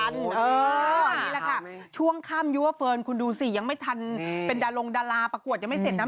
ตรงวันนี้แหละค่ะช่วงข้ามยู่วฟิล์นคุณดูสิยังไม่ทันเป็นดารงดาลาประกวดยังไม่เสร็จนะ